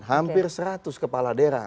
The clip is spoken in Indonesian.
hampir seratus kepala daerah